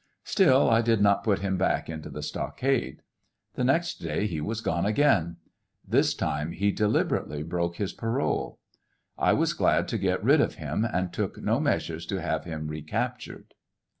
Still I did not put him back into the stockade. The next day he was gone again. This time he deliberately broke his parole. I was glad to get rid of him, and took no measure to have him recaptured.